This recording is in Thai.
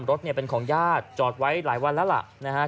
รถเนี่ยเป็นของญาติจอดไว้หลายวันแล้วล่ะนะฮะ